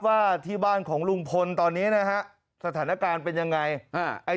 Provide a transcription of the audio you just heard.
ว่าที่บ้านของลุงพลตอนนี้สถานการณ์เป็นอย่างไร